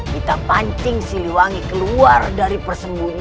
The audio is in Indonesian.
kita pancing siliwangi keluar dari persembunyian